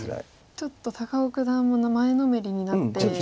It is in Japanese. ちょっと高尾九段も前のめりになって。